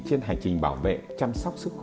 trên hành trình bảo vệ chăm sóc sức khỏe